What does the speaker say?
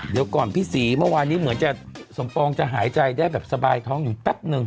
เดี๋ยวก่อนพี่ศรีเมื่อวานนี้เหมือนจะสมปองจะหายใจได้แบบสบายท้องอยู่แป๊บนึง